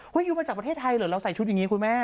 ยูมาจากประเทศไทยเหรอเราใส่ชุดอย่างนี้คุณแม่